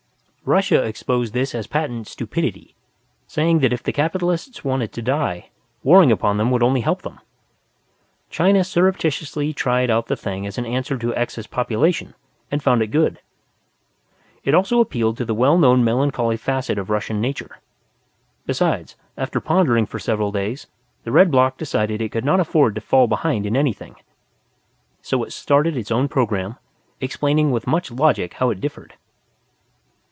Russia exposed this as patent stupidity, saying that if the Capitalists wanted to die, warring upon them would only help them. China surreptitiously tried out the thing as an answer to excess population, and found it good. It also appealed to the well known melancholy facet of Russian nature. Besides, after pondering for several days, the Red Bloc decided it could not afford to fall behind in anything, so it started its own program, explaining with much logic how it differed.